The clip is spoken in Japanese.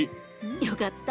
よかった！